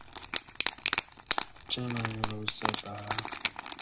A radio call to the infantry leads to the arrest of the gang.